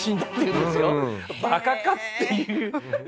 「バカか！」っていう。